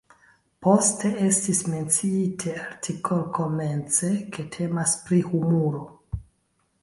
Poste estis menciite artikol-komence, ke temas pri humuro.